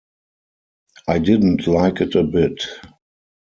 I didn’t like it a bit.